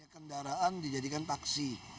kendaraan dijadikan taksi